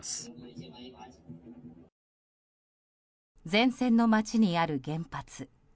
前線の街にある原発。